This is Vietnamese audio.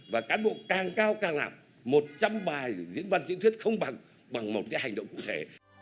và cán bộ càng cao càng làm một trăm linh bài diễn văn kỹ thuật không bằng một cái hành động cụ thể